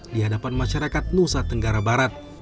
di hadapan masyarakat nusa tenggara barat